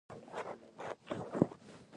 د خوست په ګربز کې څه شی شته؟